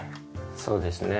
そうですね。